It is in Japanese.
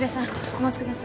お待ちください